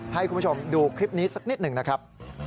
ให้คุณผู้ชมดูคลิปนี้สักนิดหนึ่งนะครับ